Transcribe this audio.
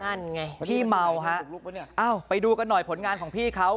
นั่นไงพี่เมาฮะอ้าวไปดูกันหน่อยผลงานของพี่เขา